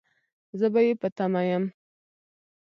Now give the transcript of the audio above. زه به يې په تمه يم